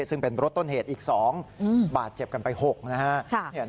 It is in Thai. ซึ่งเป็นรถต้นเหตุอีก๒บาดเจ็บกันไป๖นะครับ